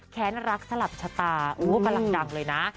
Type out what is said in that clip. แค้นรักสลับชะตาโอ้กำลังดังเลยนะ